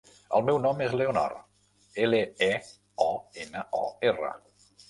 El meu nom és Leonor: ela, e, o, ena, o, erra.